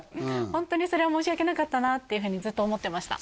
ホントにそれは申し訳なかったなっていうふうにずっと思ってました